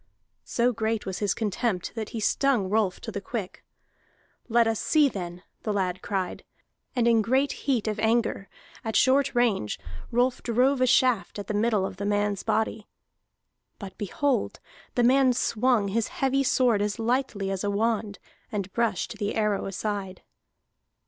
So great was his contempt that he stung Rolf to the quick. "Let us see, then!" the lad cried. And in great heat of anger, at short range, Rolf drove a shaft at the middle of the man's body. But behold! the man swung his heavy sword as lightly as a wand, and brushed the arrow aside!